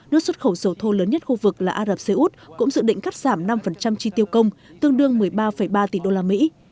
nước xuất khẩu dầu thô lớn nhất khu vực là ả rập xê út cũng dự định cắt giảm năm chi tiêu công tương đương một mươi ba ba tỷ đô la mỹ